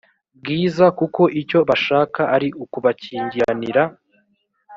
bwiza kuko icyo bashaka ari ukubakingiranira